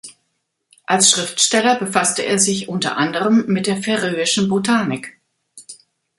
Als Schriftsteller befasste er sich unter anderem mit der färöischen Botanik.